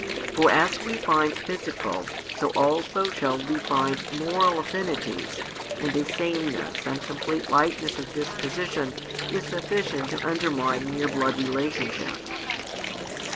For as we find physical so also shall we find moral affinities, and a sameness and complete likeness of disposition is sufficient to undermine mere blood relationship.